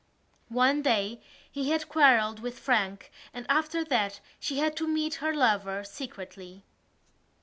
One day he had quarrelled with Frank and after that she had to meet her lover secretly.